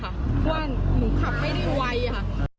เพราะว่าหนูขับไม่ได้ไวค่ะ